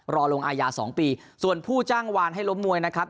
รอลงอายาสองปีส่วนผู้จ้างวานให้ล้มมวยนะครับ